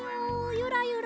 ゆらゆら。